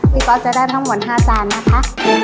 ก๊อตจะได้ทั้งหมด๕จานนะคะ